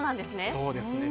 そうですね。